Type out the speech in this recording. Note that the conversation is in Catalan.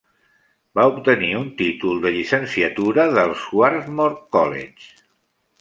Va obtenir un títol de llicenciatura del Swarthmore College.